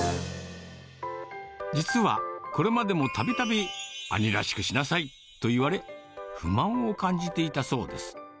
実は、これまでもたびたび、兄らしくしなさいと言われ、不満を感じていたそうです。